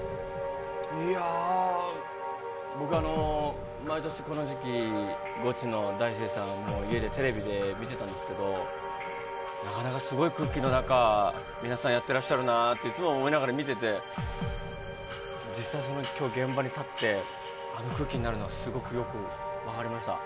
いやー、僕、毎年この時期、ゴチの大精算を、家で、テレビで見てたんですけど、なかなかすごい空気の中、皆さんやってらっしゃるなって、いつも思いながらいっつも見てて、実際その、きょう、現場に立って、あの空気になるのは、すごくよく分かりました。